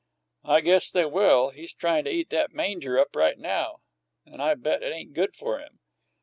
"I guess they will. He's tryin' to eat that manger up right now, and I bet it ain't good for him."